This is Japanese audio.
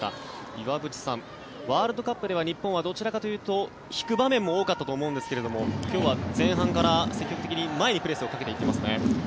岩渕さん、ワールドカップでは日本はどちらかというと引く場面も多かったと思うんですが今日は前半から前に積極的にプレスをかけていきますね。